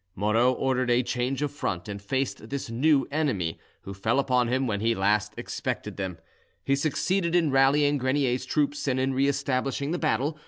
Moreau ordered a change of front, and faced this new enemy, who fell upon him when he least expected them; he succeeded in rallying Grenier's troops and in re establishing the battle.